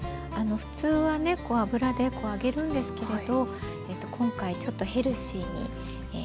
普通はね油で揚げるんですけれど今回ちょっとヘルシーに。